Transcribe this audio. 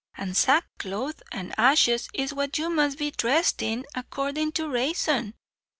and sackcloth and ashes is what you must be dhressed in, accordin' to rayson.